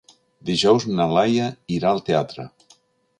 Dijous na Laia irà al teatre.